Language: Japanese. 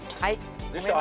できた？